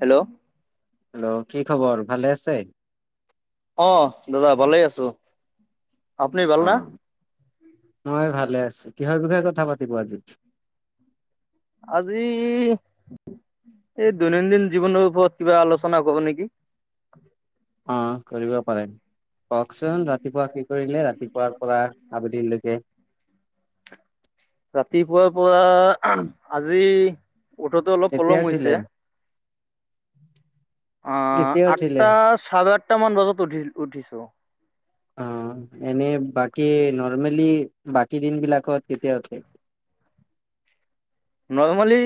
Hello! Hello, কি খবৰ ভালে আছে? অ', দাদা ভালেই আছো। আপুনি ভাল অ না? মই ভালে আছো। কিহৰ বিষয়ে কথা পাতিব আজি? আজি এই দৈনন্দিন জীৱনৰ ওপৰত কিবা আলোচনা কৰোঁ নেকি? অ কৰিব পাৰে। কওঁকচোন ৰাতিপুৱা কি কৰিলে? ৰাতিপুৱাৰ পৰা আবেলিলৈকে। ৰাতিপুৱাৰ পৰা আজি উঠোতে অলপ কেতিয়া পলম উঠিলে হৈছে। আ কেতিয়া উঠিলে? আঠটা চাৰে আঠটা মান বজাত উঠি উঠিছোঁ। অ এনে বাকী নৰ্মেলি, বাকী দিন বিলাকত কেতিয়া উঠে? নৰ্মালী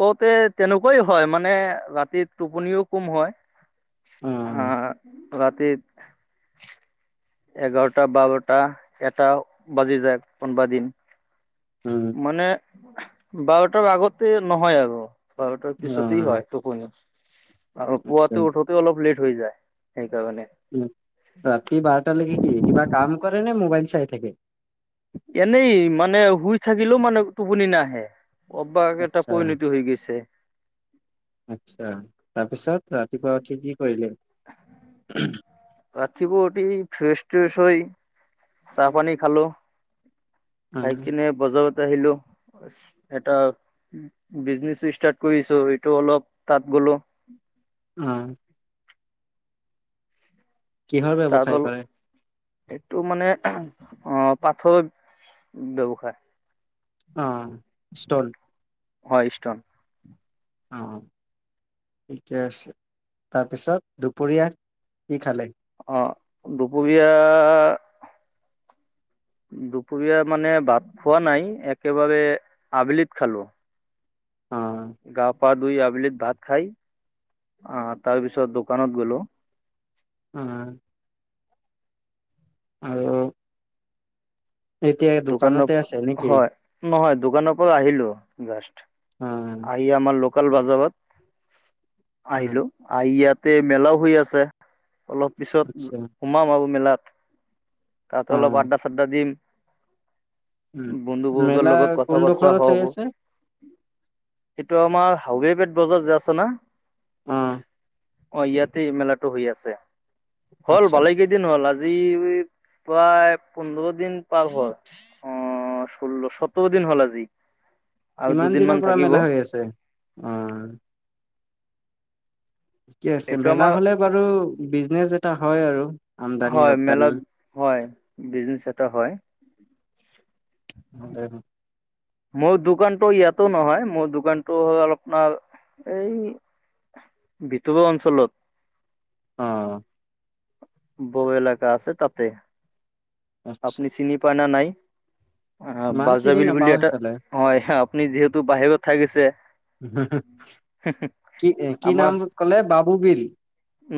কওঁতে তেনেকুৱাই হয়। মানে ৰাতিত টোপনিও কোম হয়। অ হা, ৰাতি এঘাৰটা বাৰটা এটাও বাজি যায় কোনোবা দিন। উম। মানে বাৰ তাৰ আগতে নহয় আৰু বাৰ তাৰ অ পিছতেই হয় টোপনী। আৰু আচ্ছা পুৱতে উঠোতে অলপ লেট হৈ যায়, সেইকাৰণে। উ ৰাতি বাৰটালৈকে কি, কিবা কাম কৰে নে? ম'বাইল চাই থাকে? এনেই মানে শুই থাকিলেও মানে টোপনি নাহে। অভ্যাস এটা আচ্ছা পৰিণত হৈ গৈছে। আচ্ছা তাৰপিছত, ৰাতিপুৱা উঠি কি কৰিলে? [inaudible] ৰাতিপুৱা উঠী ফ্ৰেছ-ট্ৰেচ হৈ চাহ-পানী খালো। অ খাই কিনে বজাৰত আহিলো। এটা বিজনেচ ষ্টাৰ্ট কৰিছো। এইটো অলপ তাত গ'লো। উম। কিহৰ তাত ব্যৱসায় অলপ কৰে? এইটো মানে, অ পাথৰ ব্যৱসায়। অ, ষ্ট'ন। হয় ষ্টন। অ, ঠিকে আছে। তাৰপিছত দুপৰীয়া কি খালে? অ, দুপৰীয়া দুপৰীয়া মানে ভাত খোৱা নাই। একেবাৰে আবেলিত খালো। অ। গা-পা ধুই আবেলিত ভাত খাই, অ তাৰ পিছত দোকানত গ'লো। উম। আৰু এতিয়া দোকানৰ দোকানতে আছে নেকি হয়, নহয় দোকানৰ পৰা আহিলো জাষ্ট। অ [unintelligible] এই আমাৰ লোকেল বাজাৰত অ আহিলো। আহি ইয়াতে মেলাও হৈ আছে। অলপ পিছত আচ্ছা সোমাম আৰু মেলাত। অ তাত অলপ আড্ডা-চাদ্ডা দিম। উম বন্ধুবৰ্গৰ মেলা লগত কথা বতৰা কোনডোখৰত হৈ হব। আছে এইটো আমাৰ হাউৰে পেট বজাৰ যে আছে না? উম। অ ইয়াতে মেলাটো হৈ আছে। হ'ল আচ্ছা ভালেই দিন দিন হ'ল আজি। প্ৰায় পোন্ধৰ দিন পাৰ পয় ষোল্ল সত্তৰ দিন হ'ল আজি। আৰু ইমান দুদিনমান দিনৰ পৰা থাকিব মেলা হৈ আছে। উম। ঠিকে আছে। এইটো মেলা আমাৰ হ'লে বাৰু, বিজনেচ এটা হয় আৰু। আমদানি হয়। ৰপ্তানি মেলাত হয়, বিজনেচ এটা হয়। [inaudible] মোৰ দোকানতো ইয়াতো নহয়। মোৰ দোকানতো হয় আলপমান, এই ভিতৰৰ অঞ্চলত। অ। বৌ এলেকা আছে তাতে। আচ্ছা আপোনি চিনি পায় নে নাই? অ ইমান চিনি বাজাবিল বুলি নাপাও এটা সেইফালে অ এইখা, আপুনি যিহেতু বাহিৰত থাকিছে। কি, কি নাম আমাৰ ক'লে? বাবু বিল।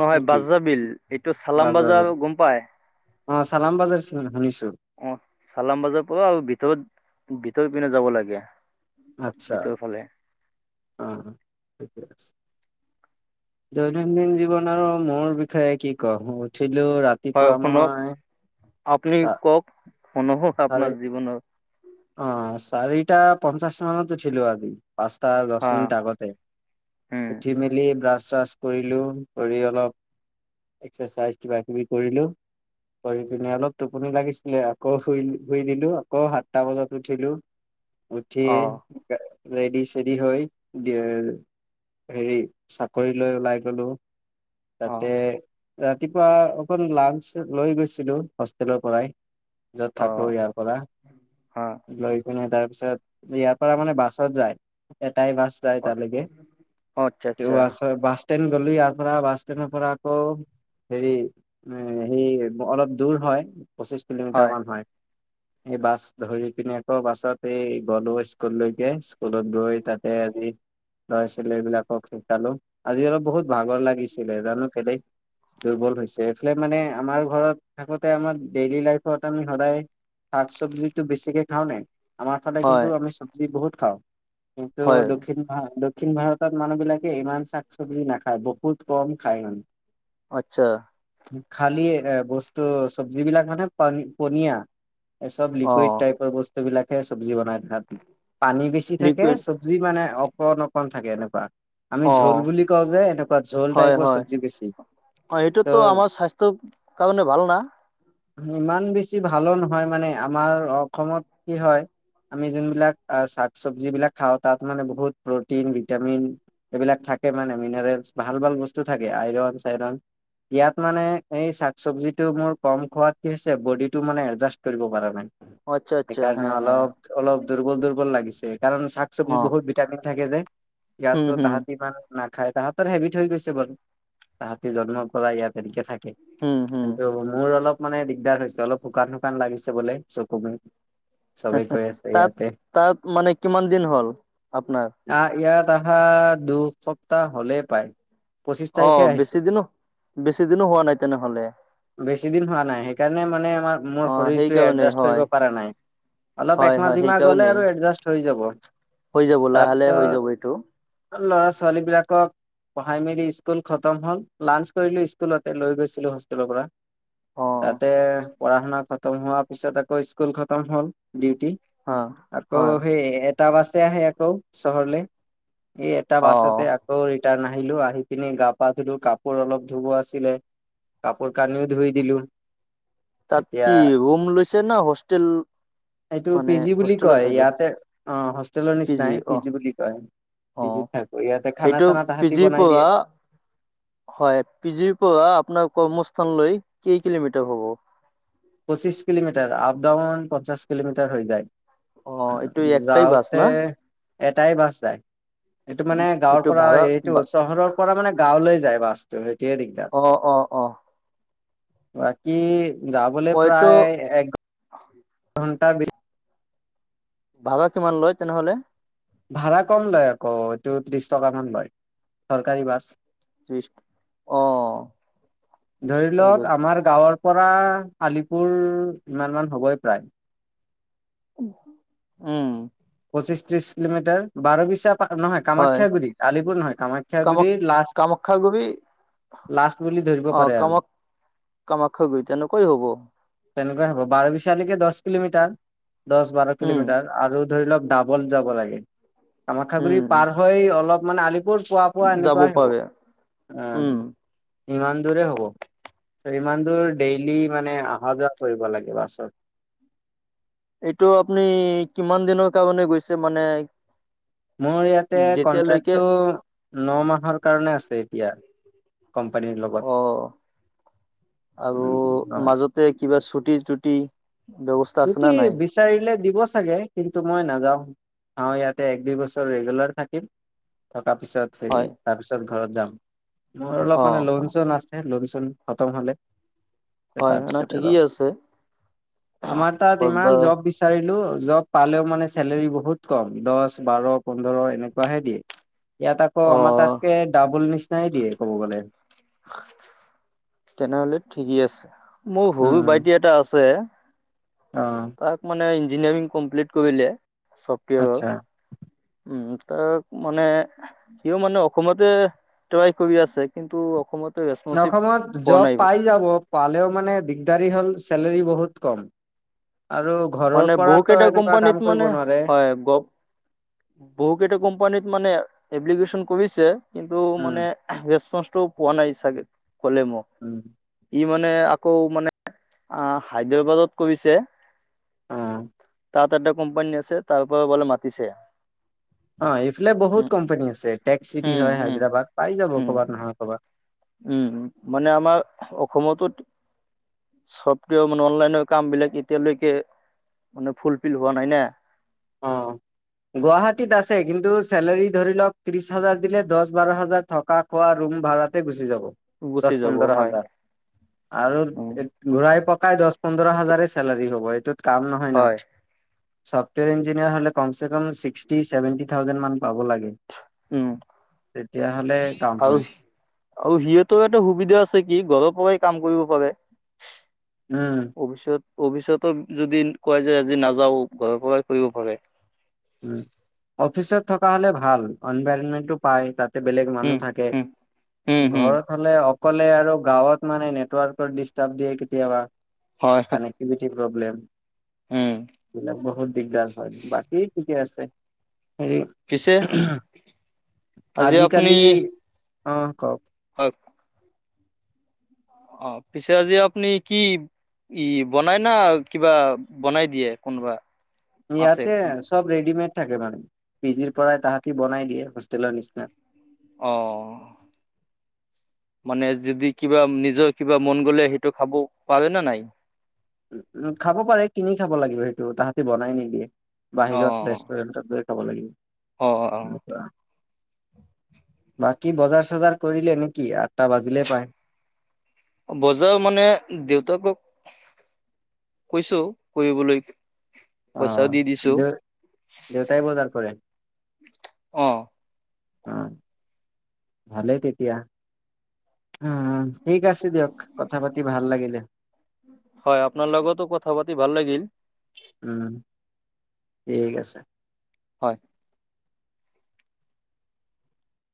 নহয়। নেকি বাজাবিল, এইটো চালাম বাজাৰ গম পাই? অ' চালাম বাজাৰ শুনিছো। অ', চালাম বাজাৰ পৰা আৰু ভিতৰত, ভিতৰ পিনে যাব লাগে। আচ্ছা ভিতৰ ফালে। অ', ঠিকে আছে। দৈনন্দিন জীৱন আৰু মোৰ বিষয়ে কি কম, উঠিলো ৰাত হয়, শুনক। আপুনি চা কওক, অনুভৱ চাৰে আপোনাৰ জীৱনৰ অ, চাৰিটা পঞ্চাছ মানত উঠিলো আজি। পাঁচটাৰ দহ হা মিনিট আগতে। উম উঠি মেলি ব্ৰাছ-চাছ কৰিলো। কৰি অলপ এক্সাৰচাইজ কিবা-কিবি কৰিলো। কৰি পিনে অলপ টোপনি লাগিছিলে, আকৌ শুই-শুই দিলো। আকৌ সাতটা বজাত উঠিলো। উঠি অ ৰেডি-চেডি হয়, দিয় হেৰি, চাকৰি লৈ ওলাই গ'লো। অ', তাতে ৰাতিপুৱা অকণ লাঞ্চ লৈ গৈছিলো, হোষ্টেলৰ পৰাই। য'ত থাকো অ', ইয়াৰ অ', পৰা। লৈ পিনে তাৰ পিছত, ইয়াৰ পৰা মানে বাছত যায়। এটাই বাছ। যাই অ', তালৈকে। আচ্ছা, আচ্ছা, [unintelligible] বাছ-বাছ ষ্টেণ্ড গ'লো ইয়াৰ পৰা, বাছ ষ্টেণ্ডৰ পৰা আকৌ হেৰি, এ সেই অলপ দূৰ হয়। পঁচিশ কিলোমিটাৰ মান হয়। [inaudible] এই বাছ ধৰি পিনি আকৌ বাছত এই গ'লো স্কুললৈকে। স্কুলত গৈ তাতে আজি ল'ৰা-ছলিবিলাকক শিকালো। আজি অলপ বহুত ভাগৰ লাগিছিলে জানো কেলেই? দুৰ্বল হৈছে। এইফালে মানে আমাৰ ঘৰত থাকোতে আমাৰ ডেইলি লাইফ [unintelligible] সদায় শাক-চবজীটো বেছিকে খাওঁ নে? আমাৰ ফালে হয়, কিন্তু আমি চ জী বহুত খাওঁ। কিন্তু হয়, দক্ষিণ হয়, দক্ষিণ ভাৰতত মানুহ বিলাকে ইমান শাক-চব্জি নাখায়। বহুত কম খায় মান অ, আচ্ছা। খালী এ-বস্তু, চব্জি বিলাক মানে পান-পনীয়া। এ চব লিকুইড অ', টাইপৰ বস্তু বিলাকে চব্জি বনাই থই। পানী বেছি থাকে, লিকুইড চব যি মানে অকণ-অকণ থাকে এনেকুৱা। আমি ঝোল অ', বুলি কওঁ যে, এনেকুৱা ঝোল হয়, টাইপৰ হয়, চব্জি বেছি। ত ত কাৰণে ভাল না? ইমান বেছি ভালো নহয়। মানে আমাৰ অসমত কি হয় আমি যোনবিলাক শাক-চবজীবিলাক খাও তাত মানে বহুত প্ৰটিন, ভিটামিন এইবিলাক থাকে মানে, মিনাৰেলচ ভাল-ভাল বস্তু থাকে। আইৰন-চাইৰন ইয়াত মানে এই শাক চবজীটো মোৰ কম খোৱাত কি হৈছে, বডিটো মানে এডজাষ্ট কৰিব পাৰা নাই। আচ্ছা, আচ্ছা, সেইকাৰণে হ্যাঁ, হ্যাঁ, অলপ অলপ দুৰ্বল-দুৰ্বল লাগিছে, কাৰণ শাক-চব্জিত অ', বহুত ভিটামিন থাকে যে। হুম, ইয়াতো হুম, তাহাতিমান নাখায়। তাহাঁতৰ হেবিট হৈ গৈছে বাৰু। তাহাঁতি জন্মৰ পৰা ইয়াত এনেকে থাকে। হুম, হুম, কিন্তু মোৰ অলপ মানে দিগদাৰ হৈছে, অলপ শুকান-শুকান লাগিছে বোলে চকু মোৰ। চবেই কৈ [unintelligible] আছে ইয়াতে তাত-তাত মানে কিমান দিন হ'ল আপনাৰ? আহ, ইয়াত আহা দুসপ্তাহ হ'লেই পায়। পঁচিশ তাৰিখে অ', বেছি আহিছো। দিনো বেছি দিনো হোৱা নাই তেনেহ'লে বেছি দিন হোৱা নাই। সেইকাৰণে মানে আমাৰ-মোৰ অ', শৰীৰটো সেইকাৰণেই এডজাষ্ট হয়, কৰিব পৰা নাই। অলপ হয়, হয়, একমাহ-দুইমাহ গ'লে সেইকাৰণেই আৰু এডজাষ্ট হৈ যাব। হৈ যাব লাহে হৈ যাব এইটো। ল'ৰা-ছোৱালী বিলাকক পঢ়াই মেলি স্কুল খতম হ'ল, লাঞ্চ কৰিলো স্কুলতে লৈ গৈছিলো হোষ্টেলৰ পৰা। অ। তাতে পঢ়া-শুনা খতম হোৱাৰ পিছত আকৌ স্কুল খতম হ'ল। ডিউটি। হা, আকৌ হয়, সেই এটা বাছে আহে আকৌ চহৰলে। ই এটা অ'। বাছতে আ অ ৰিটাৰ্ণ আহিলো। আহি পিনে গা-পা ধুলো কাপোৰ অলপ ধুব আছিলে কাপোৰ-কানিও ধুই দিলো। তাত এতিয়া কি ৰুম লৈছে না হোষ্টেল? এইটো পি মানে জি, বুলি হোষ্টেলত কয়। থাকে ইয়াতে অ' হোষ্টেলৰ নিচিনাই পি জি, বুলি কয়। অ পি জি, ত' থাকো ইয়াতে খানা সেইটো চানা পি তাহাঁতি জিৰ বনাই দিয়ে। পৰা হয় পি জিৰ পৰা আপোনাৰ কৰ্মস্থানলৈ কেই কিলোমিটাৰ হ'ব। পঁচিছ কিলোমিটাৰ আপ ডাউন পঞ্চাশ কিলোমিটাৰ হৈ যায়। অ এইটো একটাই বাছ যাওঁতে না এটাই বাছ যায়। এইটো মানে গাঁৱৰ এইটো পৰা ভাড়া এইটো বা চহৰৰ পৰা মানে গাঁৱলৈ যায় বাছটো সেইটোৱে দিগদাৰ। অ অ অ বাকী যাবলৈ অ এইটো প্ৰায় এক ঘন্টাৰ ভ ভাড়া কিমান লয় তেনেহ'লে? ভাড়া কম লয় আকৌ এইটো ত্ৰিশ টকামান লয় চৰকাৰী বাছ। তিচ অ' ধৰি লওক [unintelligible] আমাৰ গাঁৱৰ পৰা আলিপুৰ ইমান মান হ'বই প্ৰায়। উম। পঁচিছ ত্ৰশ কিলোমিটাৰ, বাৰ বিছাত নহয় হয় কামাখ্যাগুৰি, আলিপুৰ নহয় কামাখ্যাাগুৰি লাষ্ট কামখ্যাগুৰি লাষ্ট বুলি ধৰিব পাৰে আৰু। কামাখ্যাগুৰি তেনেকৈ হ'ব। তেনেকুৱা হ'ব বাৰ বিচালৈকে দহ কিলোমিটাৰ দহ-বাৰ উম কিলোমিটাৰ আৰু ধৰিলক ডাবল যাব লাগে, কামাখ্যা গুৰি উম পাৰ হৈ অলপ মানে আলি পুৰ পোৱা পোৱা যাব এনেকুৱাই পাৰে হ'ব। উম। ইমান দূৰে হ'ব। ইমান দূৰ ডেইলি মানে অহা যোৱা কৰিব লাগে বাছত। এইটো আপুনি কিমান দিনৰ কাৰণে গৈছে মানে মোৰ ইয়াতে যেতিয়ালৈকে কন্ট্ৰেক্টটো ন মাহৰ কাৰণে আছে এতিয়া। কোম্পানীৰ লগত অ [unintelligible] তে' কিবা চুটি-তুটি চুটি বিচাৰিলে দিব চাগে, কিন্তু মই নাযাওঁ আৰু ইয়াতে এক-দুই বছৰ ৰেগুলাৰ থাকিম। থকা পিছত সেই হয় তাৰপিছত ঘৰত যাম। মোৰ অ অলপ মানে লোন- চোন আছে লোন- চোন খতম হ'লে হয় এনে তাৰপিছতে ঠিকেই যাম। আছে। আমাৰ তাত ইমান ক'তবা জব বিছি বিচাৰিলো জব পালেও মানে চেলেৰী বহুত কম দহ, বাৰ, পোন্ধৰ এনেকুৱাহে দিয়ে। ইয়াত আকৌ অ আমাৰ তাতকে ডাবুল নিচিনাই দিয়ে ক'ব গ'লে। [inaudible] তেনেহ'লে ঠিকেই আছে। মোৰ সুৰু উম বাইটি এটা আছে, অ' তাক মানে ইঞ্জিনিয়াৰিং কমপ্লিট কৰিলে চফটিয়েৰৰ। আচ্ছা। উম, তাক মানে সিও মানে অসমতে ট্ৰাই কৰি আছে, কিন্তু অসমতে ৰেচপঞ্চিব অসমত জব পাই যাব পালেও মানে দিগদাৰী হ'ল চেলেৰী বহুত কম, আৰু ঘৰৰ মানে বহু পৰাতো কেইটা এনেকুৱা কাম কোম্পানীত কৰিব মানে নোৱাৰে হয়, গব বহু কেইটা কোম্পানীত মানে এপলিকেশন কৰিছে, কিন্তু উম মানে ৰেচপঞ্চটো পোৱা নাই চাগে, কলে মোক। উম। ই মানে আকৌ মানে আ' হায়দাবাদত কৰিছে। আ, তাত এটা কোম্পানী আছে, তাৰ পৰা বলে মাতিছে। অ' এইফালে বহুত উম কোম্পানী আছে। টেক্স চিটি হম হয় হম হায়দৰাবাদ পাই যাব উম ক'ৰবাত নহয় ক'ৰবাত। উম মানে আমাৰ অসমটো [unintelligible] মানে অনলাইনৰ কাম বিলাক এতিয়ালৈকে মানে ফুলফিল হোৱা নাই না। অ', [inaudible] গুৱাহাটীত আছে, কিন্তু চেলাৰী ধৰি লওক ত্ৰিশ হাজাৰ দিলে দহ বাৰ হাজাৰ থকা খোৱা ৰুম ভাড়াতে গুচি যাব গুচি যাব দহ-পোন্ধৰ হয় হাজাৰ। আৰু উম ঘূৰাই পকাই দহ-পোন্ধৰ হাজাৰে চেলাৰী হ'ব, এইটোত কাম নহয় না। হয় ছফটৱেৰ ইঞ্জিনিয়াৰ হ'লে কমচে কম ছিক্সটি-ছেভেনটি থাউজেণ্ড মান পাব লাগে। উম তেতিয়া হ'লে কাম আৰু হয়। আৰু সিহঁতেও এটা সুবিধা আছে কি? ঘৰৰ পৰাই কাম কৰিব পাৰে। উম। অফিচত অফিচতো যদি কয় যে আজি নাযাও ঘৰৰ পৰাই কৰিব পাৰে। উম অফিচত থকা হ'লে ভাল এনভাইৰনমেন্টটো পায় তাত। বেলেগ মানুহ উম থাকে। উম উম হম ঘৰত অকলে আৰু গাঁৱত মানে নেটৱৰ্কৰ ডিষ্টাৰ্ব দিয়ে কেতিয়াবা। হয় হয় কানেক [unintelligible] প্ৰবলেম উম এইবিলাক বহুত দিগদাৰ হয় বাট [unintelligible] ঠিকে আছে হেৰি পিছে [unintelligible] আজি আপুনি আজিকালি অ', কওক। [unintelligible] অ', পিছে আজি আপুনি কি ই বনাই না কিবা বনাই দিয়ে কোনোবা। আছে ইয়াতে চব ৰেডিমেড থাকে মানে পিজিৰ পৰাই তাহাঁতি বনাই দিয়ে হোষ্টেলৰ নিচিনা। অ'। মানে যদি কিবা নিজৰ কিবা মন গ'লে সেইটো খাব পাৰে নে নাই? উম, খাব পাৰে কিনি খাব লাগিব সেইটো তাহাঁতি বনাই নিদিয়ে অ বাহিৰত ৰেষ্টুৰেন্টত গৈ। খাব লাগিব। অ', অ। বাকী বজাৰ-চজাৰ কৰিলে নেকি আঠটা বাজিলে প্ৰায়। বজাৰ মানে দেউতাকক কৈছো কৰিবলৈ। পইচাও দি অ', দিছো দেউতাই বজাৰ কৰে? অ'। অ', ভালেই তেতিয়া। উম, ঠিক আছে দিয়ক কথা পাতি ভাল লাগিলে। হয়, আপোনাৰ লগতো কথা পাতি ভাল লাগিল। উম, ঠিক আছে। হয়।